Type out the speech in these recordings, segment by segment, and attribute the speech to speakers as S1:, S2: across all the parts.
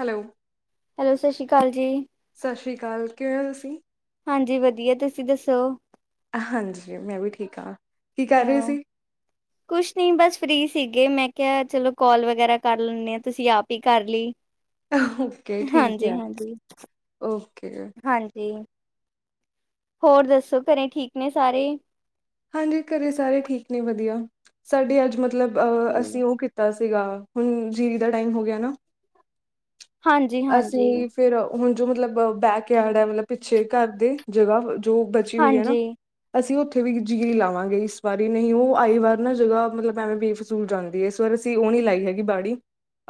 S1: Hello.
S2: Hello, ਸਤਿ ਸ਼੍ਰੀ ਕਾਲ ਜੀ।
S1: ਸਤਿ ਸ੍ਰੀ ਕਾਲ, ਕਿਵੇਂ ਔ ਤੁਸੀਂ?
S2: ਹਾਂਜੀ ਵਧੀਆ। ਤੁਸੀਂ ਦੱਸੋ?
S1: ਹਾਂਜੀ, ਮੈਂ ਵੀ ਠੀਕ ਹਾਂ। ਕੀ ਕਰ
S2: ਆ
S1: ਰਹੇ ਸੀ?
S2: ਕੁਛ ਨੀ ਬਸ ਫ੍ਰੀ ਸੀਗੇ ਮੈਂ ਕੇਗਾਵਚਲੋ ਕਾਲ ਵਗੈਰਾ ਕਰ ਲੈਂਣੇ ਆ ਤੁਸੀਂ ਆਪ ਈ ਕਰ ਲੀ।
S1: ਓਕੇ ਠੀਕ
S2: ਹਾਂਜੀ
S1: ਹੈ,
S2: ਹਾਂਜੀ,
S1: ਓਕੇ
S2: ਹਾਂਜੀ। ਹੋਰ ਦੱਸੋ ਘਰੇ ਠੀਕ ਨੇ ਸਾਰੇ?
S1: ਹਾਂਜੀ ਘਰੇ ਸਾਰੇ ਠੀਕ ਨੇ ਵਧੀਆ। ਸਾਡੇ ਅੱਜ ਮਤਲਬ ਅ ਅਸੀਂ ਔ ਕੀਤਾ ਸ ਸੀਗਾ ਹੁਣ ਜੀਰੀ ਦਾ ਟਾਈਮ ਹੋ ਗਿਆ ਨਾ।
S2: ਹਾਂਜੀ ਹਾਂਜੀ।
S1: ਅਸੀਂ ਫਿਰ ਹੁਣ ਜੋ ਮਤਲਬ ਬੈਕ ਯਾਰਡ ਐ, ਮਤਲਬ ਪਿੱਛੇ ਘਰ ਦੇ ਜਗ੍ਹਾ ਹੋੲ ਜੋ ਬਚੀ ਹੋਈ ਐ ਨਾ
S2: ਹਾਂਜੀ
S1: ਅਸੀਂ ਓ [unintelligible] ਜੀਰੀ ਲਾਵਾਂਗੇ ਇਸ ਵਾਰੀ ਨਹੀਂ ਓਹ ਆਈ ਵਾਰ ਨਾ ਜਗ੍ਹਾ ਮਤਲਬ ਐਵੇਂ ਬੇਫਸੂਲ ਜਾਂਦੀ ਏ, ਇਸ ਵਾਰ ਅਸੀਂ ਓਹ ਨੀ ਲਾਈ ਹੈਗੀ ਬਾੜੀ।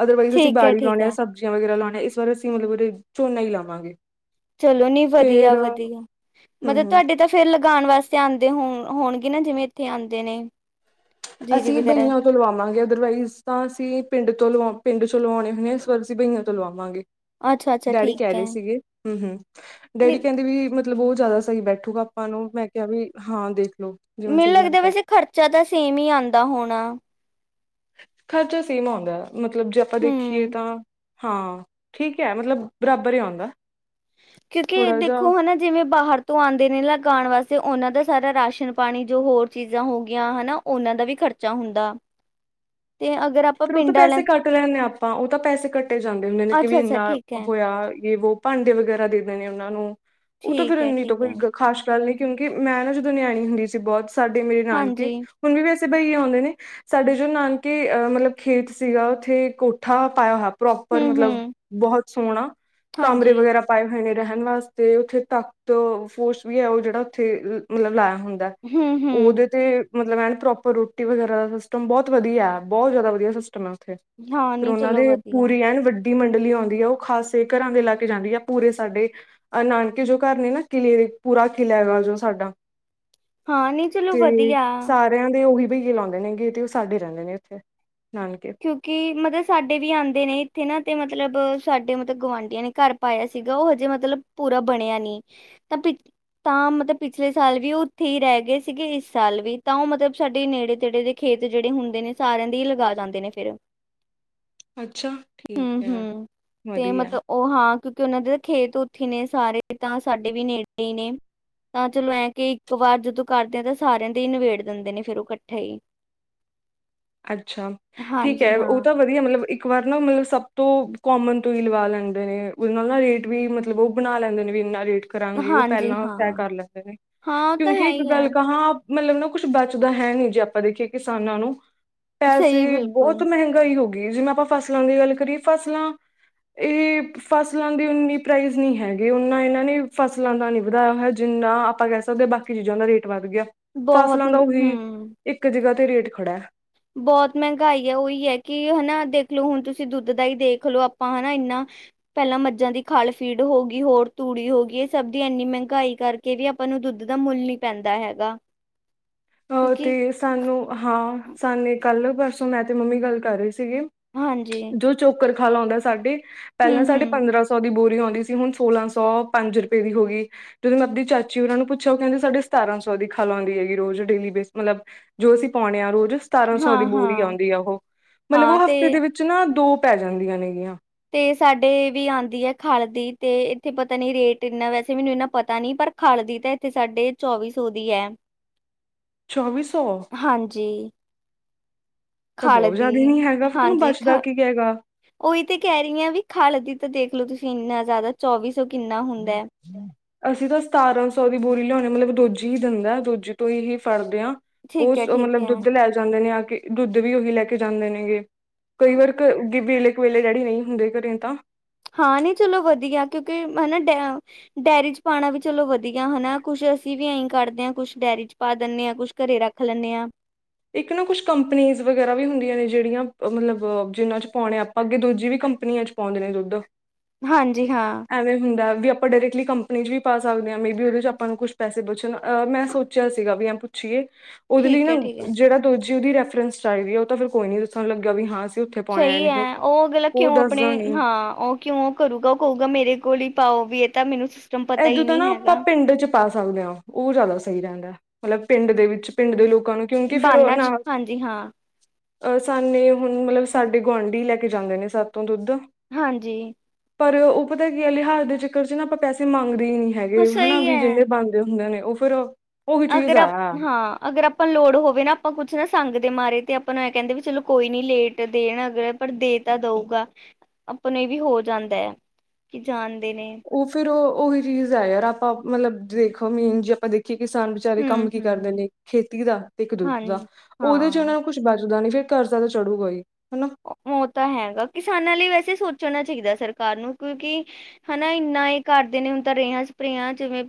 S1: ਅਦਰਵਾਈਜ਼ ਅਸੀਂ
S2: ਠੀਕ ਹੈ
S1: ਬਾੜੀ
S2: ਠੀਕ
S1: ਲਾਣੇ ਆ,
S2: ਹੈ
S1: ਸਬਜ਼ੀਆਂ ਵਗੈਰਾ ਲੋਣ ਇਸ ਵਾਰ ਅਸੀਂ ਮਤਲਬ ਉਰੇ ਝੋਨਾ ਈ ਲਾਵਾਂਗੇ।
S2: ਚਲੋ ਨੀ ਵਧੀਆ
S1: ਫੇਰ ਹਮ
S2: ਵਧੀਆ ਮਤਲਬ
S1: ਹਮ
S2: ਤੁਹਾਡੇ ਤਾਂ ਫੇਰ ਲ ਗਾਣ ਵਾਸਤੇ ਆਂਦੇ ਹੋਣ ਹੋਣਗੇ ਨਾ ਜਿਵੇਂ ਇੱਥੇ ਆਂਦੇ ਨੇ। ਜੀਰੀ
S1: ਅਸੀਂ
S2: ਵਗੈਰਾ
S1: ਬਹੀਆਂ ਤੋਂ ਲਵਾਵਾਂਗੇ ਅਦਰਵਾਈਜ਼ ਤਾਂ ਅਸੀਂ ਪਿੰਡ ਤੋਂ ਲਵਾ ਪਿੰਡ ਚ ਲਵਾਉਣੇ ਹੁਣੇ ਪਰ, ਅਸੀਂ ਬਹੀਆਂ ਤੋਂ ਲਵਾਵਾਂਗੇ।
S2: ਅੱਛਾ ਅੱਛਾ
S1: ਡੈਡੀ ਕੈ
S2: ਠੀਕ ਹੈ
S1: ਰੇ ਸੀਗੇ। ਹੂੰ ਹੂੰ,
S2: ਨੀ
S1: ਡੈਡੀ ਕਹਿੰਦੇ ਵੀ ਮਤਲ ਮਤਲਬ ਉਹ ਜਿਆਦਾ ਸਹੀ ਬੈਠੂਗਾ ਆਪਾਂ ਨੂੰ। ਮੈਂ ਕਿਹਾ ਵੀ ਹਾਂ ਦੇਖ
S2: ਮੈਨੂੰ ਲੱਗਦਾ ਵੈਸੇ ਖਰਚਾ ਤਾਂ ਸੇਮ ਮੀ ਆਂਦਾ ਹੋਣਾ।
S1: ਖ਼ਰਚਾ ਸੇਮ ਆਉਂਦਾ। ਮਤਲਬ ਜੇ ਆਪਾਂ
S2: ਹਮ
S1: ਦੇਖੀਏ ਤਾਂ ਹਾਂ ਠੀਕ ਹੈ, ਮਤਲਬ ਬਰਾਬਰ ਏ ਆਉਂਦਾ
S2: ਕਿਉਂਕਿ
S1: ਥੋੜਾ ਜਿਹਾ
S2: ਦੇਖੋ ਹਨਾ ਜਿਵੇਂ ਬਾਹਰ ਤੋਂ ਆਂਦੇ ਨੇ ਲਗਾਣ ਵਾਸ ਤੇ ਔਨਾਂ ਦਾ ਸਾਰਾ ਰਾਸ਼ਨ ਪਾਣੀ ਜੋ ਹੋਰ ਚੀਜ਼ਾਂ ਹੋ ਗਿਆਂ ਹਨਾ ਔਨਾਂ ਦਾ ਵੀ ਖ਼ਰਚਾ ਹੁੰਦਾ। ਤੇ ਅਗਰ ਆਪਾਂ
S1: ਫੇਰ ਉਹ ਤਾਂ
S2: ਪਿੰਡ ਵਾਲਿਆਂ
S1: ਪੈਸੇ ਕੱਟ ਲੈਂਣੇ ਆ ਆਪਾਂ, ਉਹ ਤਾਂ ਪੈਸੇ ਕੱਟੇ ਜਾਂਦੇ ਹੁੰਣੇ ਨੇ ਕਿ ਵੀ
S2: ਅੱਛਾ ਅੱਛਾ
S1: ਇੰਨਾ
S2: ਠੀਕ ਹੈ
S1: ਹੋਆ, ਜੇ ਵੋ ਭਾਂਡੇ ਵਗੈਰਾ ਦੇ ਦੇਨੇ ਔਨਾਂ ਨੂੰ ਔ ਤਾਂ ਫਿਰ
S2: ਠੀਕ ਹੈ
S1: ਇੰਨੀ ਤੋ
S2: ਠੀਕ
S1: ਫਿਰ
S2: ਹੈ
S1: ਗ ਖ਼ਾਸ ਗੱਲ ਨੀ। ਕਿਉਂਕਿ ਮੈਂ ਨਾ ਜਦੋਂ ਨਿਆਣੀ ਹੁੰਦੀ ਸੀ ਬੋਤ ਤੁਆਡੇ ਮੇਰੇ ਨਾਨਕੇ
S2: ਹਾਂਜੀ
S1: ਹੁਣ ਵੀ ਵੈ ਤੇ ਬਈ ਏ ਹੋਨੇ ਨੇ ਸਾਡੇ ਜੋ ਨਾਨਕੇ ਅ ਮਤਲਬ ਖੇਤ ਸੀਗਾ ਉੱਥੇ ਕੋਠਾ ਪਾਇਆ ਹੋਇ ਪ੍ਰੋਪਰ
S2: ਹੂੰ
S1: ਮਤਲਬ
S2: ਹੂੰ
S1: ਬੋਹੋਤ ਸੋਹਣਾ ਕਮਰੇ
S2: ਹਾਂਜੀ
S1: ਵਗੈਰਾ ਪਾਏ ਹੋਏ ਨੇ ਰਹਿਣ ਵਾਸਤੇ ਔਥੇ ਤਖਤ ਫੋਸ ਵੀ ਹੈ ਔ ਜੇੜਾ ਔਥੇ ਮਤਲਬ ਲੈਅ ਹੁੰਦੈ
S2: ਹੂੰ
S1: ਔ
S2: ਹੂੰ
S1: ਔਦੇ ਤੇ ਮਤਲਬ ਐਨ ਪ੍ਰੋਪਰ ਰੋਟੀ ਵਗੈਰਾ ਦਾ ਸਿਸਟਮ ਬੋਤ ਵਧੀਆ ਐ, ਬੋਤ ਜ਼ਿਆਦਾ ਵਧੀਆ ਸਿਸਟਮ ਆ।
S2: ਹਾਂ
S1: ਫੇਰ
S2: ਨਹੀਂ
S1: ਔਨਾਂ
S2: ਚਲੋ
S1: ਦੇ
S2: ਵਧੀਆ
S1: ਪੂਰੀ ਐਨ ਵੱ ਡੀ ਮੰਡਲੀ ਹੋਂਦੀ ਏ ਔ ਖਾਸੇ ਘਰਾਂ ਦੇ ਲਾ ਕੇ ਜਾਂਦੀ ਐ ਪੂਰੇ ਸਾਡੇ ਅ ਨਾਨਕੇ ਜੋ ਘਰ ਨੇ ਨਾ ਕਿਲ੍ਹੇ ਦੇ ਪੂਰਾ ਕਿਲ੍ਹਾ ਐ ਨਾ ਜੋ ਸਾਡਾ।
S2: ਹਾਂ ਨਹੀਂ ਚਲੋ
S1: ਤੇ
S2: ਵਧੀਆ
S1: ਸਾਰਿਆਂ ਦੇ। ਔਹੀ। ਵਈ ਜਲਾਂਦੇ ਨੇ ਅੰਗੀਠੀ, ਸਾਡੇ ਰਹਿੰਦੇ ਨੇ ਔਥੇ।
S2: ਕਿਉਂਕਿ ਮਤਲਬ ਸਾਡੇ ਵੀ ਆਂਦੇ ਨੇ ਇੱਥੇ ਨਾ ਤੇ ਮਤ ਲਬ ਸਾਡੇ ਮਤਲਬ ਗੁਆਂਢੀਆਂ ਨੇ ਘਰ ਪਾਇਆ ਸੀਗਾ ਔ ਹਜੇ ਮਤਲਬ ਪੂਰਾ ਬਣਿਆ ਨੀ ਤਾਂ ਪਿ ਤਾਂ ਮਤਲਬ ਪਿਛਲੇ ਸਾਲ ਵੀ ਔ ਉੱਥੇ ਈ ਰੈ ਗਏ ਸੀਗੇ ਇਸ ਸਾਲ ਵੀ ਤਾਂ ਔ ਮਤਲਬ ਸਾਡੇ ਨੇੜੇ ਤੇੜੇ ਦੇ ਖੇਤ ਜੇੜੇ ਹੁੰਦੇ ਨੇ ਸਾਰਿਆਂ ਦੇ ਹੀ ਲਗਾ ਦਨ ਦੇ ਨੇ ਫੇਰ।
S1: ਅੱਛਾ, ਠੀਕ ਐ।
S2: ਤੇ
S1: ਵਧੀਆ।
S2: ਮਤਲਬ ਉਹ ਹਾਂ ਕਿਉਂਕਿ ਔਨਾਂ ਦੇ ਖੇਤ ਉੱਥੇ ਨੇ ਸਾਰੇ ਤਾਂ ਸਾਡੇ ਵੀ ਨੇੜੇ ਈ ਨੇ ਤਾਂ ਚਲੋ ਐਂ ਕਿ ਇੱਕ ਵਾਰ ਜਦੋਂ ਕਰਦੇ ਤੇ ਸਾਰਿਆਂ ਦੇ ਹੀ ਨਿਬੇੜ ਦਿੰਦੇ ਨੇ ਫਿਰ ਉਹ ਕੱਠੇ ਈ।
S1: ਅੱ ਛਾ, ਠੀਕ ਐ ਔ ਤਾਂ ਵਧੀਆ ਮਤਲਬ ਇੱਕ ਵਾਰ ਨਾ ਮਤਲਬ ਸਭ ਤੋਂ ਕੋਮਨ ਤੋਂ ਹੀ ਲਵਾ ਲੈਂਦੇ ਨੇ ਉਹਦੇ ਨਾਲ ਨਾ ਰੇਟ ਵੀ ਮਤਲਬ ਵੋ ਬਣਾ ਲੈਂਦੇ ਨੇ ਵੀ ਇੰਨਾ ਰੇਟ ਕਰਾਂਗੇ ਉਹ
S2: ਹਾਂਜੀ
S1: ਪਹਿਲਾਂ
S2: ਹਾਂ
S1: ਤੈਅ ਕਰ ਲੈਂਦੇ ਨੇ
S2: ਹਾਂ ਉਹ ਤਾਂ
S1: ਕਿਉਂਕਿ
S2: ਹੈ
S1: ਇੱਕ
S2: ਹੀ ਹੈ
S1: ਗੱਲ ਕਹਾਂ ਮਤਲਬ ਨਾ ਕੁਛ ਬਚਦਾ ਹੈ ਨੀ ਜੇ ਆਪਾਂ ਵੇਖੀਏ ਕਿਸਾਨਾਂ ਨੂੰ ਪੈਸੇ
S2: ਸਹੀ
S1: ਹੀ ਬਹੋ ਤ
S2: ਬਿਲਕੁਲ
S1: ਮਹਿੰਗਾਈ ਹੋ ਗੀ ਏ ਜਿਵੇਂ ਆਪਾਂ ਫਸਲਾਂ ਦੀ ਗੱਲ ਕਰੀਏ ਫਸਲਾਂ ਇਹ ਫਸਲਾਂ ਦੀ ਉਨੀ ਪ੍ਰਾਈਜ਼ ਨੀ ਹੈਗੀ ਉਨਾ ਇਹਨਾਂ ਨੇ ਫਸਲਾਂ ਦਾ ਨੀ ਵਧਾਇਆ ਹੋਇਆ ਜਿੰਨਾ ਆਪਾਂ ਕਹਿ ਸਕਦੇ ਆਂ ਬਾਕੀ ਚੀਜ਼ਾਂ ਦਾ ਰੇਟ ਵੱਧ ਗਿਐ
S2: ਬਹੁਤ
S1: ਫਸਲਾਂ ਦਾ ਔਹੀ
S2: ਹੂੰ
S1: ਇੱਕ ਜਗ੍ਹਾ ਤੇ ਰੇਟ ਖੜਾ ਐ।
S2: ਬਹੁਤ ਮਹਿੰਗਾਈ ਐ ਔਹੀ ਐ ਕਿ ਹੈਨਾ ਦੇਖਲੋ ਹੁਣ ਤੁਸੀ ਦੁੱਧ ਦਾ ਈ ਦੇਖ ਲੋ ਆਪਾਂ ਹੈਨਾ ਇੰਨਾਂ ਪੈਲਾਂ ਮੱਝਾਂ ਦੀ ਖਲ, ਫੀਡ ਹੋ ਗੀ ਹੋਰ ਤੂੜੀ ਹੋ ਗੀ ਐ ਸਭ ਦੀ ਇੰਨੀ ਮਹਿੰਗਾਈ ਕਰਕੇ ਵੀ ਆਪਾਂ ਨੂੰ ਦੁੱਧ ਦਾ ਮੁੱਲ ਨੀ ਪੈਂਦਾ ਹੈਗਾ
S1: ਅ
S2: ਕਿਉਂਕਿ
S1: ਤੇ ਸਾਨੂੰ ਹਾਂ ਸਾਨੇ ਕੱਲ-ਪਰਸੋਂ ਮੈਂ ਤੇ ਮੰਮੀ ਗੱਲ ਕਰ ਰੇ ਸੀਗੇ
S2: ਹਾਂਜੀ
S1: ਜੋ ਚੋਕਰ ਖਲ ਆਉਂਦਾ ਸਾਡੇ
S2: ਹੂੰ
S1: ਪਹਿਲਾਂ ਸਾਡੇ
S2: ਹੂੰ
S1: ਪੰਦਰਾਂ ਸੌ ਦੀ ਬੋਰੀ ਆਦੀ ਸੀ ਹੁਣ ਸੋਲਾਂ ਸੌ ਪੰਜ ਰੁਪਏ ਦੀ ਹੋ ਗਈ ਜਦ ਮ ਆਪਦੀ ਚਾਚੀ ਉਹਨਾਂ ਨੂੰ ਪੁੱਛਿਆ ਉਹ ਕਹਿੰਦੀ ਸਾਡੇ ਸਤਾਰਾਂ ਸੌ ਦੀ ਖੱਲ ਆਂਦੀ ਹੈਗੀ ਰੋਜ਼ ਡੇਲੀ ਬੇਸ ਮਤਲਬ ਜੋ ਅਸੀਂ ਪਾਣੇ ਆ ਰੋਜ਼। ਸਤਾਰਾਂ ਸੌ
S2: ਹਾਂ
S1: ਦੀ ਬੂਰੀ
S2: ਹਾਂ
S1: ਆਦੀ ਆ ਉਹ ਮਤਲਬ
S2: ਹਾਂ
S1: ਉਹ ਹਫ਼ਤੇ
S2: ਤੇ
S1: ਦੇ ਵਿੱਚ ਨਾ ਦੋ ਪੈ ਜਾਂਦੀਆਂ ਨੇ ਗੀਆਂ।
S2: ਤੇ ਸਾਡੇ ਵੀ ਆਦੀ ਹੈ ਖਲ ਦੀ ਤੇ ਇੱਥੇ ਪਤਾ ਨੀ ਰੇਟ ਇੰਨਾ ਵੈਸੇ ਮੈਨੂੰ ਇਨਾ ਪਤਾ ਨੀ ਪਰ ਖਲ ਦੀ ਤਾਂ ਇੱਥੇ ਸਾਡੇ ਚੌਵੀ ਸੌ ਦੀ ਹੈ।
S1: ਚੌਵੀ ਸੌ
S2: ਹਾਂਜੀ।
S1: ਤਾਂ
S2: ਖਲ
S1: ਬਹੁਤ
S2: ਦੀ
S1: ਜ਼ਿਆਦਾ ਨੀ ਹੈਗਾ ਫਿਰ ਤੈਨੂੰ
S2: ਹਾਂਜੀ,
S1: ਬਚਦਾ ਕੀ ਹੈਗਾ
S2: ਉਹੀ ਤੇ ਕਹਿ ਰਹੀ ਹਾ ਵੀ ਖਲ ਦੀ ਤਾਂ ਦੇਖ ਦੇਖਲੋ ਤੁਸੀਂ ਇੰਨਾ ਜ਼ਿਆਦਾ ਚੌਵੀ ਸੋ ਕਿੰਨਾ ਹੁੰਦਾ ਹੈ।
S1: ਅਸੀਂ ਤਾਂ ਸਤਾਰਾਂ ਸੌ ਦੀ ਬੋਰੀ ਲਿਆਣੇ ਹਾ ਮਤਲਬ ਦੋਜੀ ਹੀ ਦਿੰਦਾ ਦੂਜੀ ਤੋਂ ਹੀ ਫੜਦੇ ਹਾਂ।
S2: ਠੀਕ ਹੈ
S1: ਉਹ
S2: ਠੀਕ
S1: ਮਤਲਬ
S2: ਹੈ
S1: ਦੁੱਧ ਲੈ ਜਾਂਦੇ ਨੇ ਦੁੱਧ ਵੀ ਉਹੀ ਲੈ ਕੇ ਜਾਂਦੇ ਨੇਗੇ। ਕਈ
S2: ਹਾਂ
S1: ਵਾਰ ਘਰ ਵੇਲੇ ਕੁ ਵੇਲੇ ਡੈਡੀ ਨਹੀਂ ਹੁੰਦੇ ਘਰੇ ਤਾਂ
S2: ਹਾਂ ਨਹੀਂ ਚਲੋ ਵਧੀਆ ਕਿਉਂਕਿ ਹਨਾ ਡ ਡੇਅਰੀ ਚ ਪਾਣਾ ਵੀ ਚਲੋ ਵਧੀਆ ਹਨਾ, ਕੁਛ ਅਸੀਂ ਵੀ ਐਏਹੀਂ ਕੱਢਦੇ ਹਾਂ ਕੁਛ ਡੇਅਰੀ ਚ ਪਾ ਦਿੰਦੇ ਆ ਕੁਛ ਘਰੇ ਰੱਖ ਲੈਂਨੈ ਹਾਂ।
S1: ਇੱਕ ਨਾ ਕੁਛ ਕੰਪਨੀਜ਼ ਵਗੈਰਾ ਵੀ ਹੁੰਦੀਆਂ ਨੇ ਜਿਹੜੀਆਂ ਮਤਲਬ ਜਿਹਨਾਂ ਚ ਪਾਉਣੇ ਆਪਾਂ ਅੱਗੇ ਦੂਜੀ ਵੀ ਕੰਪਨੀਆਂ ਚ ਪਾਉਂਦੇ ਨੇ ਦੁੱਧ
S2: ਹਾਂਜੀ ਹਾਂ।
S1: ਐਵੇਂ ਹੁੰਦਾ ਵੀ ਆਪਾਂ ਡਾਇਰੈਕਟਲੀ ਕੰਪਨੀ 'ਚ ਵੀ ਪਾ ਸਕਦੇ ਹਾਂ ਮੇ ਵੀ ਉਹਦੇ ਚ ਆਪਾਂ ਨੂੰ ਕੁਛ ਪੈਸੇ ਬਚਣ ਮੈਂ ਸੋਚਿਆ ਸੀਗਾ ਵੀ ਐਂ ਪੁੱਛੀਏ। ਉਹਦੇ ਲਈ
S2: ਠੀਕ
S1: ਨਾ
S2: ਹੈ ਠੀਕ ਹੈ।
S1: ਜਿਹੜਾ ਦੂਜੀ ਉਹਦੀ ਰੈਫਰੈਂਸ ਚਾਹੀਦੀ, ਉਹ ਫਿਰ ਕੋਈ ਨਹੀਂ ਦੱਸਣ ਨੂੰ ਲੱਗਿਆ ਵੀ ਹਾਂ। ਉੱਥੇ ਪਾਉਣੇ ਆਏ
S2: ਸਹੀ
S1: ਨਹੀਂ
S2: ਹੈ ਉਹ ਅਗਲਾ
S1: ਉਹ
S2: ਕਿਉਂ ਆਪਣੇ
S1: ਦੱਸਦਾ ਨੀ
S2: ਹਾਂ ਉਹ ਕਿਉਂ ਉਹ ਕਰੂਗਾ ਉਹ ਕਹੂਗਾ ਮੇਰੇ ਕੋਲ ਹੀ ਪਾਓ। ਵੀ ਇਹ ਤਾਂ ਮੈਨੂੰ ਸਿਸਟਮ ਪਤਾ
S1: ਇਦੋਂ
S2: ਹੀ
S1: ਤਾਂ ਨਾ
S2: ਨਹੀਂ
S1: ਆਪਾਂ
S2: ਹੈਗਾ
S1: ਪਿੰਡ ਚ ਪਾ ਸਕਦੇ, ਹਾਂ ਉਹ ਜ਼ਿਆਦਾ ਸਹੀ ਰਹਿੰਦਾ। ਮਤਲਬ ਪਿੰਡ ਦੇ ਵਿੱਚ ਪਿੰਡ ਦੇ ਲੋਕਾਂ ਨੂੰ ਕਿਉਂਕਿ ਫਿਰ ਉਹ
S2: ਬਾਨਾ ਚ
S1: ਨਾਲ
S2: ਹਾਂਜੀ ਹਾਂ
S1: ਅਹ ਸਾਨੇ ਹੁਣ, ਮਤਲਬ ਸਾਡੇ ਗੁਆਂਢੀ ਲੈ ਕੇ ਜਾਂਦੇ ਨੇ ਸਤੋ ਤੋਂ ਦੁੱਧ
S2: ਹਾਂਜੀ,
S1: ਪਰ ਉਹ ਪਤਾ ਕੀ ਲਿਹਾਜ਼ ਦੇ ਚਿਕਰ ਚ ਨਾ ਆਪਾਂ ਪੈਸੇ ਮੰਗਦੇ ਵੀ ਨੀ
S2: ਹਾਂ
S1: ਹੈਗੇ, ਹਨਾ
S2: ਸਹੀ
S1: ਵੀ
S2: ਹੈ
S1: ਜਿੰਨੇ ਬਣਦੇ ਹੁੰਦੇ ਨੇ ਉਹ ਫਿਰ ਚੀਜ਼
S2: ਅਗਰ
S1: ਆ
S2: ਹਾਂ ਅਗਰ ਆਪਾਂ ਲੋੜ ਹੋਵੇ ਨਾ ਆਪਾਂ ਕੁਛ ਨਾ ਸੰਗਦੇ। ਮਾਰੇ ਤੇ ਆਪਾਂ ਨੂੰ ਇਹ ਕਹਿੰਦੇ ਵੀ ਚਲੋ ਕੋਈ ਨੀ ਲੇਟ ਦੇਣ ਅਗਰ ਪਰ ਦੇ ਤਾਂ ਦਊਗਾ, ਆਪਾਂ ਨੂੰ ਇਹ ਵੀ ਹੋ ਜਾਂਦਾ ਹੈ ਕਿ ਜਾਣ।
S1: ਉਹ ਫੇਰ, ਉਹੀ ਚੀਜ਼ ਹੈ, ਯਾਰ ਆਪਾਂ ਮਤਲਬ ਦੇਖੋ, ਮੇਨ ਜੀ ਆਪਾਂ ਦੇਖ। ਕਿ ਕਿਸਾਨ ਵਿਚਾਰੇ
S2: ਹੂੰ
S1: ਕੰਮ ਕੀ ਕਰਦੇ
S2: ਹੂੰ
S1: ਨੇ, ਖੇਤੀ ਦਾ, ਤੇ ਇੱਕ ਦੁੱਧ ਦਾ
S2: ਹਾਂਜੀ
S1: ਉਹਦੇ'ਚ
S2: ਹਾਂ
S1: ਉਹਨਾਂ ਨੂੰ ਕੁੱਛ ਦਾ ਨ, ਫੇਰ ਕਰਜ਼ਾ ਤਾਂ ਚੜੂਗਾਈ
S2: ਮੌ, ਤਾਂ ਹੈਗਾ ਕਿਸਾਨਾਂ ਲਈ ਵੈਸੇ ਸੋਚਣਾ ਸਿੱਖਦਾ ਸਰਕਾਰ ਨੂੰ, ਕਿਉਂਕਿ ਹਨਾ ਇੰਨਾ ਇਹ ਕਰਦੇ ਨੇ, ਹੁਣ ਤਾਂ ਰੇਹਾਂ, ਸਪਰੇਹ ਜਿਵੇਂ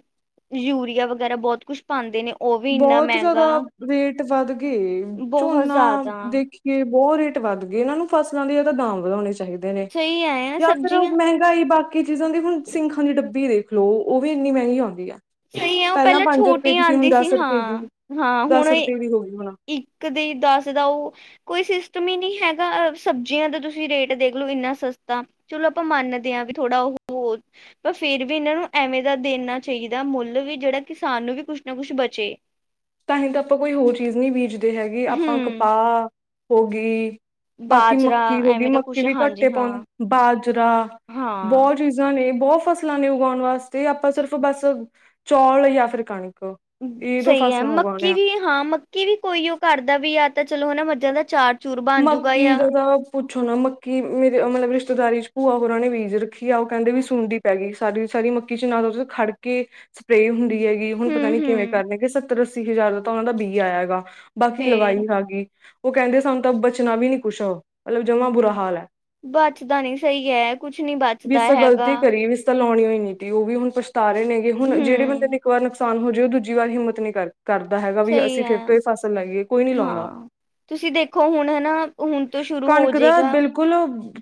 S2: ਯੂਰੀਆ ਵਗੈਰਾ ਬਹੁਤ ਕੁਛ ਪਾਉਂਦੇ ਨੇ ਉਹ ਵੀ ਇੰਨਾ
S1: ਬਹੁਤ ਜਿਆਦਾ
S2: ਮਹਿੰਗਾ
S1: ਰੇਟ ਵੱਧ ਗਏ,
S2: ਬਹੁਤ
S1: ਝੋਨਾ
S2: ਜ਼ਿਆਦਾ
S1: ਦੇਖੀਏ ਬਹੁ ਰੇਟ ਵੱਧ ਗਏ ਇਹਨਾਂ ਨੂੰ, ਫਸਲਾਂ ਦੀ ਇਹ ਤਾਂ ਦਾਮ ਵਧਾਉਣੇ ਚਾਹੀ ਚਾਹੀਦੇ ਨੇ
S2: ਸਹੀ ਹੈ
S1: ਯਾ, ਫੇਰ
S2: ਸਬਜ਼ੀਆਂ
S1: ਮਹਿੰਗਾਈ ਬਾਕੀ ਬੀ ਜਿਦਾਂ ਦੀ ਹੁਣ ਸਿੰਖਾਂ ਦੀ ਡੱਬੀ ਦੇਖ ਲਓ, ਉਹ ਵੀ ਇੰਨੀ ਮਹਿੰਗੀ ਆਉਂਦੀ ਹੈ।
S2: ਸਹੀ ਹੈ ਉਹ
S1: ਪਹਿਲਾਂ ਪੰਜ- ਰੁਪਏ
S2: ਛੋਟੀ
S1: ਦੀ ਸੀ, ਹੁਣ
S2: ਆਉਂਦੀ
S1: ਦੱਸ- ਰੁਪਏ।
S2: ਹਾਂ
S1: ਦੀ
S2: ਹਾਂ
S1: ਦਸ
S2: ਹੁਣ
S1: ਰੁਪਏ ਦੀ ਹੋ ਗਈ, ਹੁਣਾ
S2: ਇੱਕ ਤੇ ਦੱਸ ਦਾ ਉਹ ਕੋਈ ਸਿਸਟਮ ਹੀ ਨੀ ਹੈਗਾ, ਸਬਜ਼ੀਆਂ ਦਾ ਤੁਸੀਂ ਰੇਟ ਦੇਖਲੋ, ਇਨਾ ਸਸਤਾ ਚਲੋ ਆਪਾਂ ਮੰਨਦੇ ਆਂ ਵੀ ਥੋੜਾ ਉਹ, ਪਰ ਫੇਰ ਵੀ ਇਹਨਾ ਨੂੰ ਐਵੇਂ ਦਾ ਦੇਣਾ ਚਾਹੀਦਾ ਮੁੱਲ, ਵੀ ਜਿਹੜਾ ਕਿਸਾਨ ਨੂੰ ਵੀ ਕੁਛ ਨਾ, ਕੁਛ ਬਚੇ।
S1: ਤਾਂਹੀ ਤਾਂ, ਆਪਾਂ ਕੋਈ ਹੋਰ ਚੀਜ਼ ਨਹੀਂ ਬੀਜਦੇ ਹੈਗੇ, ਆਪਾਂ
S2: ਹਮ
S1: ਕਪਾਹ ਹੋਗੀ। ਬਾਕੀ
S2: ਬਾਜਰਾ
S1: ਮੱਕੀ ਹੋ ਗਈ,
S2: ਐਵੇਂ ਦਾ
S1: ਮੱਕੀ
S2: ਕੁਛ
S1: ਵੀ
S2: ਹਾਂਜੀ
S1: ਘੱਟੇ
S2: ਹਾਂ
S1: ਪਾਉਣ ਬਾਜਰਾ,
S2: ਹਾਂ
S1: ਬਹੁਤ ਚੀਜ਼ਾਂ ਨੇ। ਬਹੁਤ ਫਸਲਾਂ ਨੇ ਉਗਾਉਣ ਵਾਸਤੇ, ਆਪਾਂ ਸਿਰਫ ਬਸ ਚੌਲ ਯਾ ਫਿਰ ਕਣਕ ਇਹ ਜੋ
S2: ਸਹੀ
S1: ਫਸ
S2: ਹੈ ਮੱਕੀ ਵੀ, ਹਾਂ। ਮੱਕੀ ਵੀ ਕੋਈ ਉਹ ਕਰਦਾ, ਵੀ, ਆ ਚਲੋ, ਹਨਾ ਮੱਝਾਂ ਦਾ ਚਾਰ ਚੂਰ ਬਣ ਜੂਗਾ
S1: ਮੱਕੀ
S2: ਜਾਂ
S1: ਦਾ ਤਾਂ ਪੁੱਛੋ ਨਾ, ਮੱਕੀ ਮੇਰੇ ਮਤਲਬ ਰਿਸ਼ਤੇਦਾਰੀ ਭੂਆ ਹੁਰਾਂ ਨੇ ਬੀਜ਼ ਰੱ ੀ ਆ, ਉਹ ਕਹਿੰਦੇ ਵੀ ਸੁੰਡੀ ਪੈ ਗਈ। ਸਾਰੀ-ਸਾਰੀ ਮੱਕੀ'ਚ ਨਾ ਖੜ -ਕੇ ਸਪ੍ਰੇ ਹੁੰਦੀ। ਹੈਗੀ ਹੁਣ ਪਤਾ
S2: ਹਮ
S1: ਨੀ, ਕਿਵੇਂ
S2: ਹਮ
S1: ਕਰਨਗੇ ਸਬ ਤਰ ਅੱਸੀ ਹਜ਼ਾਰ ਦਾ ਤਾਂ ਉਹਨਾਂ ਦਾ ਬੀਅ ਆਇਆ ਹੈਗਾ ਬਾਕੀ
S2: ਫੇਰ
S1: ਲਗਾਕੇ ਉਹ ਕਹਿੰਦੇ ਸਨ। ਤਾਂ, ਬਚਣਾ ਵੀ ਨੀ ਕੁਛ, ਮਤਲਬ ਜਮਾ ਬੁਰਾ ਹਾਲ ਹੈ।
S2: ਬਚਦਾ ਨੀ ਸਹੀ ਹੈ, ਕੁਛ ਨੀ ਬਚਦਾ ਹੈਗਾ।
S1: ਨੇ, ਤੀ ਉਹ ਵੀ ਹੁਣ ਪਛ ਸਾਰੇ ਨੇਗੇ, ਹੁਣ ਜਿਹੜੇ ਬੰਦੇ
S2: ਹਮ
S1: ਨੇ ਇੱਕ ਵਾਰ ਆਕਸਾਨ ਹੋ ਜਾਵੇ, ਉਹ ਦੂਜੀ ਵਾਰ ਹਿੰਮਤ ਨਹੀਂ ਕਰ ਕਰਦਾ ਹੈਗਾ ਵੀ
S2: ਸਹੀ
S1: ਅਸੀਂ
S2: ਹੈ
S1: ਫੇਰ ਤੋਂ ਇਹ ਫਸਲ ਲਾਈਏ ਕੋਈ ਨੀ ਲਾਉਂਦਾ
S2: ਹਾਂ ਤੁਸੀਂ ਦੇਖੋ ਹੁਣ ਹਨਾ ਹੁਣ ਤੋਂ ਸ਼ੁਰੂ ਹੋ ਜੇਗਾ।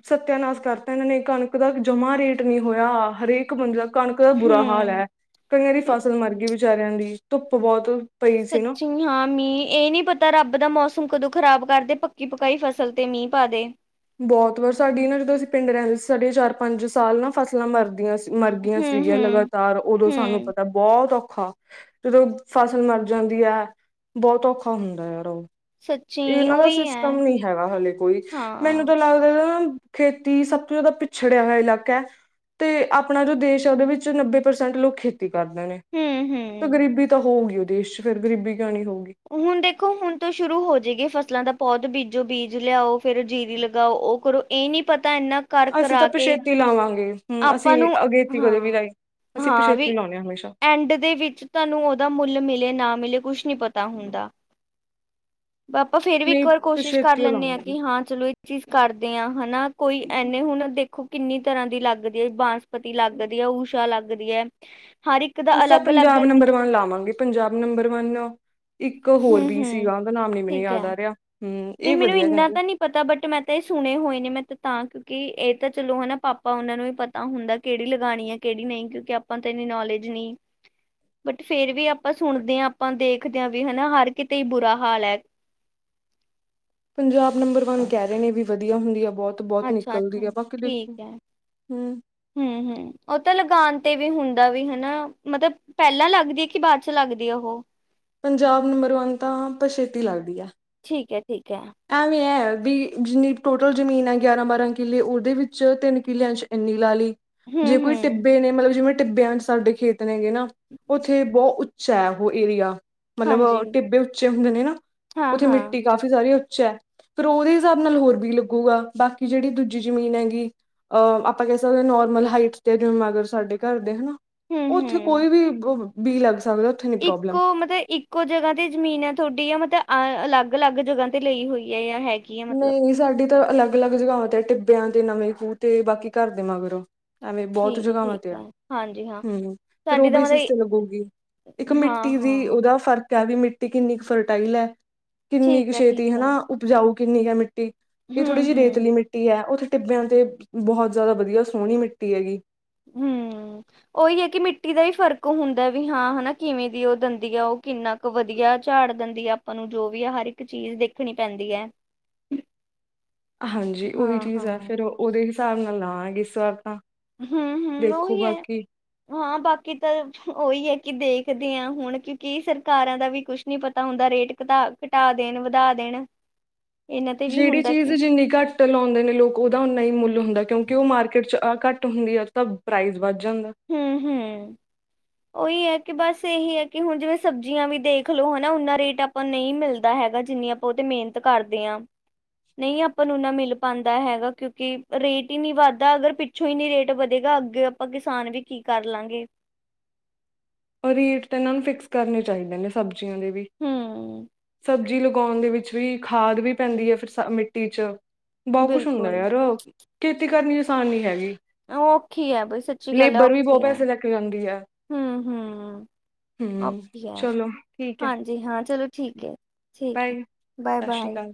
S1: ਸਤਿਆਨਾਸ ਕਰਤਾ ਇਹਨਾਂ ਨੇ ਕਣਕ ਦਾ ਜਮਾ ਰੇਟ ਨ ਹੋਇਆ ਹਰੇਕ ਬੰਦਾ ਕਣਕ ਦਾ ਬੁਰਾ ਹਾਲ
S2: ਹਮ
S1: ਐ, ਕਈਆਂ ਦੀ ਫਸਲ ਮਰਗੀ ਵਿੱਚ ਬੇਚਾਰਿਆਂ ਦੀ ਧੁੱਪ ਬਹੁਤ ਪਈ ਸੀ ਨਾ
S2: ਸੱਚੀ ਹਾਂ ਮੀਂਹ ਇਹ ਨੀ ਪਤਾ ਰੱਬ ਦਾ ਮੌਸਮ ਕਦੋਂ ਖ਼ਰਾਬ ਕਰਦੇ ਪੱਕੀ ਪਕਾਈ ਫਸਲ ਤੇ ਮੀਂਹ ਪਾਦੇ।
S1: ਬਹੁਤ ਵਾਰ ਸਾਡੀ ਨਾ ਜਦੋਂ ਅਸੀਂ ਪਿੰਡ ਰਹਿੰਦੇ ਸੀ ਸਾਡੀਆਂ ਚਾਰ ਪੰਜ ਸਾਲ ਨਾ ਫਸਲਾਂ ਮਰਦੀਆਂ ਸੀ। ਮਰਗੀਆਂ
S2: ਹਮ
S1: ਸੀਗੀਆਂ
S2: ਹਮ
S1: ਲਗਾਤਾਰ ਉਦੋਂ ਸਾਨੂੰ
S2: ਹਮ
S1: ਪਤਾ ਬਹੁਤ ਔਖ ਔਖਾ ਜਦੋਂ ਫਸਲ ਮਰ ਜਾਂਦੀ ਐ, ਬਹੁਤ ਔਖਾ ਹੁੰਦਾ ਯਾਰ ਉਹ
S2: ਸੱਚੀ
S1: ਇਹਨਾਂ ਦਾ
S2: ਉਹੀ ਹੈ
S1: ਸਿਸਟਮ ਨੀ ਹੈਗਾ ਹਲੇੇ ਕੋਈ ਮੈਨੂੰ
S2: ਹਾਂ
S1: ਤਾਂ ਲੱਗਦਾ ਨਾ ਖੇਤੀ ਸਭ ਤੋਂ ਜ਼ਿਆਦਾ ਪਿਛੜਿਆ ਹੋਇਆ ਇਲਾਕਾ ਹੈ, ਤੇ ਆਪਣਾ ਜੋ ਦੇਸ਼ ਹੈ ਉਹਦੇ ਵਿੱਚ ਨੱਬੇ ਪ੍ਰਸੈਂਟ ਲੋਕ ਖੇਤੀ ਕਰਦੇ ਨੇ
S2: ਹਮ
S1: ਤੇ
S2: ਹਮ
S1: ਗਰੀਬੀ ਤਾਂ ਹੋਊਗੀ ਈ। ਦੇਸ਼ ਚ ਫਿਰ ਗਰੀਬੀ ਕਿਉਂ ਨੀ ਹੋਊਗੀ।
S2: ਹੁਣ ਦੇਖੋ ਹੁਣ ਤੋਂ ਸ਼ੁਰੂ ਹੋ ਜਾਏਗੀ ਫਸਲਾਂ ਦਾ ਪੌਧ ਬੀਜ ਜੋ ਬੀਜ ਲਿਆਓ ਫੇਰ ਜੀਰੀ ਲਗਾਓ, ਉਹ ਕਰੋ ਇਹ ਨੀ ਪਤਾ ਤਾਂ ਇੰਨਾ ਕਰ
S1: ਅਸੀਂ
S2: ਕਰਾ
S1: ਤਾਂ
S2: ਕੇ
S1: ਪਛੇਤੀ ਲਾਵਾਂਗੇ ਹੂੰ ਅਸੀਂ
S2: ਆਪਾਂ ਨੂੰ
S1: ਅਗੇਤੀ ਕਦੇ ਵੀ
S2: ਹਾਂ
S1: ਲਾਈ ਅਸੀਂ
S2: -ਹਾਂ
S1: ਪਛੇਤੀ
S2: ਵੀ
S1: ਲਾਉਣੇ ਆ ਹਮੇਸ਼ਾ
S2: ਐਂਡ ਦੇ ਵਿੱਚ ਤੁਹਾਨੂੰ ਉਹਦਾ ਮੁੱਲ ਮਿਲੇ ਨਾ ਮਿਲੇ ਕੁਛ ਕੀ ਪਤ ਪਤਾ ਹੁੰਦਾ ਆਪਾਂ ਫੇਰ ਵੀ ਇੱਕ
S1: ਨਹੀਂ
S2: ਵਾਰ ਕੋਸ਼ਿਸ਼ ਕਰ
S1: ਪਛੇਤੀ ਓ
S2: ਲੈਂਦੇ ਹਾਂ
S1: ਲਾਵਾਂਗੇ।
S2: ਕਿ ਹਾਂ ਚਲੋ ਇਹ ਚੀਜ਼ ਕਰਦੇ ਹਾਂ ਹਨਾ। ਕੋਈ ਐਨੇ ਹੁਣ ਦੇਖੋ ਕਿੰਨੀ ਤਰ੍ਹਾਂ ਦੀ ਲੱਗਦੀ ਹੈ ਬਾਂਸਪਤੀ ਲੱਗਦੀ ਐ, ਊਸ਼ਾ ਲੱਗਦੀ ਐ।
S1: ਅਸੀ ਤਾਂ ਪੰਜਾਬ ਨੰਬਰ ਵਨ ਲਾਵਾਂਗੇ, ਪੰਜਾਬ ਨੰਬਰ ਵਨ ਇੱਕ ਹੋਰ ਬੀ
S2: ਹੂੰ-ਹੂੰ
S1: ਸੀਗਾ, ਉਹਦਾ ਨਾਮ ਨੀ ਮੈਨੂੰ
S2: ਠੀਕ ਹੈ।
S1: ਯਾਦ ਆ ਰਿਹਾ। ਹੂੰ
S2: ਨਹੀਂ
S1: ਇਹ
S2: ਮੈਨੂੰ
S1: ਵਧੀਆ
S2: ਇੰਨਾ
S1: ਕਹਿੰਦੇ।
S2: ਤਾਂ ਨਹੀਂ ਪਤਾ ਬਟ ਮੈਂ ਤਾਂ ਇਹ ਸੁਣੇ ਹੋਏ ਨੇ ਮੈਂ ਤਾਂ ਕਿ ਕੀ ਇਹ ਤਾਂ ਚਲੋ ਹਨ ਪਾਪਾ ਓਨਾ ਨੂੰ ਹੀ ਪਤਾ ਹੁੰਦਾ ਕਿਹੜੀ ਲਗਾਣੀ ਆ ਕਿਹੜੀ ਨਹੀਂ ਕਿਉਕਿ ਆਪਾ ਤ ਇਨੀ ਨੋਲੇਜ ਨਈ, ਬਟ ਫੇਰ ਵੀ ਆਪਾਂ ਸੁਣਦੇ ਆਂ ਆਪਾ ਦੇਖਦੇ ਆਂ ਵੀ ਹਨਾ ਹਰ ਕਿਤੇ ਬੁਰਾ ਹਾਲ ਐ।
S1: ਪੰਜਾਬ ਨੰਬਰ ਵੰਨ ਕਹਿ ਰਹੇ ਨੇ ਵੀ ਵਧੀਆ ਹੁੰਦੀ ਆ। ਬਹੁਤ-ਬਹੁਤ
S2: ਅੱਛਾ-
S1: ਨਿਕਲਦੀ ਆ
S2: ਅੱਛਾ
S1: ਬਾਕੀ ਦੇਖੋ
S2: ਠੀਕ ਐ
S1: ਹੂੰ
S2: ਹੂੰ-ਹੂੰ ਉਹ ਤਾਂ ਲਗਾਨ ਤੇ ਵੀ ਹੁੰਦਾ। ਵੀ ਹਨਾ ਮਤਲਬ ਪਹਿਲਾਂ ਲੱਗਦੀ ਐ ਕਿ ਬਾਅਦ ਚ ਲੱਗਦੀ ਹੈ ਉਹ
S1: ਪੰਜਾਬ ਨੰਬਰ ਵਨ ਤਾਂ ਪਛੇਤੀ ਲੱਗਦੀ ਐ।
S2: ਠੀਕ ਐ ਠੀਕ ਐ।
S1: ਐਵੇਂ ਐ ਜਿੰਨੀ ਟੋਟਲ ਜ਼ਮੀਨ ਹੈ ਗਿਆਰਾਂ ਬਾਰਾਂ ਕਿੱਲੇ ਉਹਦੇ ਵਿੱਚ ਤਿੰਨ ਕਿੱਲਿਆਂ ਚ ਇੰਨੀ ਲਾ ਲਈ ਜੇ ਕੋਈ
S2: ਹੂੰ-ਹੂੰ
S1: ਟਿੱਬੇ ਨੇ ਮਤਲਬ ਜਿਵੇਂ ਟਿੱਬਿਆ ਚ ਸਾਡੇ ਖੇਤ ਨੇਗੇ ਨਾ ਉੱਥੇ ਬਹੁਤ, ਛੈ ਉਹ ਏਰੀਆ, ਮਤਲਬ
S2: ਹਾਂਜੀ
S1: ਟਿੱਬੇ ਉੱਚੇ ਹੁੰਦੇ ਨੇ ਨਾ ਉੱਥੇ
S2: ਹਾਂ-ਹਾਂ
S1: ਮਿੱਟੀ ਕਾਫ਼ੀ ਸਾਰੀ ਉ ਅੱਛਾ ਫੇਰ ਉਹਦੇ ਹਿਸਾਬ ਨਾਲ ਹੋਰ ਵੀ ਲੱਗੂਗਾ ਬਾਕੀ ਜਿਹੜੀ ਦੂਜੀ ਜਮੀਨ ਹੈਗੀ ਅ ਆਪਾਂ ਕਹਿ ਸਕਦੇ ਨੋਰਮਲ ਹਾਈਟ ਤੇ ਜਮ ਅਗਰ ਸਾਡੇ ਘਰ ਦੇ ਹਨਾ। ਉਹ ਉੱਥੇ
S2: ਹੂੰ-ਹੂੰ
S1: ਕੋਈ ਵੀ, ਬੀਲ
S2: ਇੱਕੋ ਮਤਲਬ ਇੱਕੋ ਜਗ੍ਹਾ ਤੇ ਜ਼ਮੀਨ ਹੈ ਤੁਹਾਡੀ ਆ ਮਤਲਬ, ਅ ਅਲੱਗ-ਅਲੱਗ ਜਗ੍ਹਾ ਤੇ ਲਈ ਹੋਈ ਹੈ ਆ ਹੈ, ਮਤਲਬ
S1: ਨਹੀਂ ਸਾਡੀ ਤਾਂ ਅਲੱਗ-ਅਲੱਗ ਜਗ੍ਹਾ ਤੇ ਟਿੱਬ ਬਿਆਂ ਤੇ ਨਵੇਂ ਖੂਹ ਤੇ ਬਾਕੀ ਘਰ ਦੇ ਮਗਰੋਂ, ਐਵੇਂ ਬਹੁਤ
S2: ਠੀਕ
S1: ਜਗਗਾਵਾਂ
S2: ਠੀਕ
S1: ਤੇ
S2: ਹੈ
S1: ਆ
S2: ਹਾਂਜੀ ਹਾਂ
S1: ਹੂੰ ਫਿਰ ਉਹ
S2: ਸਾਡੀ ਤਾਂ
S1: ਬਸਿਸ
S2: ਮਤਲਬ
S1: ਤੇ ਲੱਗੂਗੀ ਇੱਕ ਮਿੱਟੀ ਦੀ
S2: ਹਾਂ-ਹਾਂ
S1: ਉਹਦਾ ਫਰਕ, ਕ ਵੀ ਮਿੱਟੀ ਕਿੰਨੀ ਕੁ ਫਰਟਾਈਲ ਹੈ। ਕਿੰਨੀ
S2: ਠੀਕ
S1: ਕੁ
S2: ਹੈ ਠੀਕ
S1: ਛੇਤੀ
S2: ਹੈ
S1: ਹਨਾ ਉਪਜਾਊ, ਕਿੰਨੀ ਕੁ ਮਿੱਟੀ, ਟੀ ਇਹ ਥੋੜੀ ਜਿਹੀ
S2: ਹੂੰ-ਹੂੰ
S1: ਰੇਤਲੀ ਮਿੱਟੀ ਹੈ ਉਹ ਟਿੱਬਿਆਂ ਤੇ ਬਹੁਤ ਜ਼ਿਆਦਾ ਵਧੀਆ ਸੋਹਣੀ ਮਿੱਟੀ ਹੈਗੀ।
S2: ਹੂੰ ਉਹੀ ਹੈ ਕਿ ਮਿੱਟੀ ਦਾ ਹੀ ਫ਼ਰਕ, ਇੱਕ ਹੁੰਦਾ ਵੀ ਹਾਂ ਹਨਾ ਕਿਵੇਂ ਦੀ ਉਹ ਦੰਦੀ ਆ ਉਹ ਕਿੰਨਾ ਕੁ ਵਧੀਆ ਝਾੜ ਦੰਦੀ ਆ ਆਪਾਂ ਨੂੰ ਜੋ ਵੀ ਆ ਹਰ ਇੱਕ ਚੀਜ਼ ਦੇਖਣੀ ਪੈਂਦੀ ਹੈ।
S1: ਹਾਂਜੀ ਉਹੀ ਚੀਜ਼ ਹੈ
S2: ਹਾਂ-ਹਾਂ।
S1: ਫੇਰ ਉਹਦੇ, ਸਾਧ ਲਗਾਵਾਗੇ ਇਸ ਵਾਰ ਤਾਂ,
S2: ਹੂੰ-ਹੂੰ,
S1: ਦੇਖੋ
S2: ਉਹੀ ਹੈ
S1: ਬਾਕੀ
S2: ਹਾਂ ਬਾਕੀ ਤਾਂ ਉਹੀ ਹੈ। ਕਿ ਦੇਖਦੇ ਹਾਂ ਹੁਣ ਕਿਉਕਿ ਸਰਕਾਰਾਂ ਦਾ ਵੀ ਕੁਛ ਨੀ ਪਤਾ ਹੁੰਦਾ ਰੇਟ ਘਟਾ ਘਟਾ ਦੇਣ ਵਧਾ ਦੇਣ, ਇਹਨਾਂ ਤੇ ਵੀ
S1: ਜਿਹੜੀ
S2: ਹੁੰਦਾ
S1: ਚੀਜ਼
S2: ਕੀ
S1: ਜਿੰਨੀ ਘੱਟ ਲਾਦੇ ਨੇ ਲੋਕ ਉਹਦਾ ਉਨਾ ਹੀ ਮੁੱਲ ਹੁੰਦਾ। ਕਿਉਂਕਿ ਉਹ ਮਾਰਕੀਟ ਚ ਆਹ ਘੱਟ ਹੁੰਦੀ ਹੈ ਤਾਂ ਪ੍ਰਾਈਜ਼ ਵੱਧ, ਜਾਂਦਾ
S2: ਹੂੰ-ਹੂੰ, ਉਹੀ ਹੈ। ਕਿ ਬਸ ਇਹੀ ਹੈ ਕਿ ਹੁਣ ਜਿਵੇਂ ਸਬਜ਼ੀਆਂ ਵੀ ਦੇਖ ਲਓ ਹਨਾ ਉਨਾ ਰੇਟ ਆਪਾਂ ਨੂੰ ਨਹੀਂ ਮਿਲਦਾ ਹੈਗਾ ਜਿੰਨੀ ਆਪਾਂ ਉਹ ਤੇ ਮਿਹਨਤ ਕਰਦੇ ਹਾਂ ਨਹੀਂ ਆਪਾਂ ਨੂੰ ਓਨਾ ਮਿਲ ਪਾਦਾ ਹੈਗਾ ਕਿਉਂਕਿ ਰੇਟ ਹੀ ਨੀ ਵੱਧਦਾ ਅਗਰ ਪਿੱਛੋਂ ਹੀ ਨੀ ਰੇਟ ਵਧੇਗਾ ਅੱਗੇ ਆਪਾਂ ਕਿਸ ਨੂੰ ਕਿਸਾਨ ਵੀ ਕੀ ਕਰ ਲਾਂਗੇ।
S1: ਰੇਟ ਤਾਂ ਇਹਨਾਂ ਨੂੰ ਫਿਕਸ ਕਰਨੇ ਚਾਹੀਦੇ ਨੇ ਸਬਜ਼ ਦੀਆਂ ਦੇ ਵੀ
S2: ਹਮ
S1: ਸਬਜ਼ ਸਬਜ਼ੀ ਲਗਾਣ ਦੇ ਵਿੱਚ ਵੀ ਖਾਦ ਵੀ ਪੈਂਦੀ ਹੈ ਫਿਰ ਸ ਮਿੱਟੀ ਚ, ਬਹੁਤ ਕੁਛ ਹੁੰਦਾ
S2: ਬਿਲਕੁਲ
S1: ਯਾਰ ਖੇਤੀ ਕਰਨੀ, ਆਸਾਨ ਨੀ ਹੈਗੀ।
S2: ਉਹ ਔਖੀ ਹੈ ਬਈ ਸੱਚੀ ਗੱਲ ਹੈ
S1: ਲੇਬਰ ਵੀ ਬਹੁਤ
S2: ਔਖੀ ਹੈ
S1: ਪੈਸੇ ਲੈ ਕੇ ਜਾਂਦੀ ਹੈ
S2: ਹੂੰ-ਹੂੰ, ਹੂੰ
S1: ਹਮ
S2: ਓਹੀ ਹੈ
S1: ਚਲੋ ਠੀਕ ਹੈ
S2: ਹਾਂਜੀ ਹਾਂ ਚਲੋ ਠੀਕ ਹੈ ਠੀਕ ਹੈ,
S1: ਬਾਏ ਸਤਿ ਸ਼੍ਰੀ
S2: ਬਾਏ-ਬਾਏ,
S1: ਅਕਾਲ